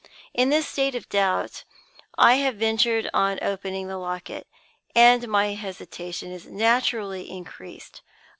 "In this state of doubt I have ventured on opening the locket, and my hesitation is naturally increased.